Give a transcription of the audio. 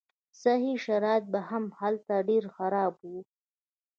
صحي شرایط به هم هلته ډېر خراب وو.